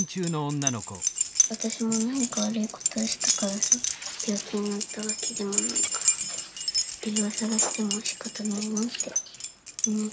私も何か悪いことをしたからさ病気になったわけでもないから理由を探してもしかたないなって思って。